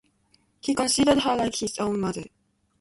He considered her like his own mother'.